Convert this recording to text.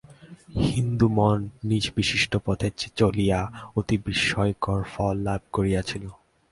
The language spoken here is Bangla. হিন্দু মন নিজ বিশিষ্ট পথে চলিয়া অতি বিস্ময়কর ফল লাভ করিয়াছিল।